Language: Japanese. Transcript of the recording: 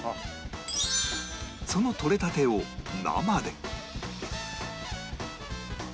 その採れたてを生で